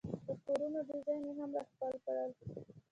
د کورونو ډیزاین یې هم را خپل کړل.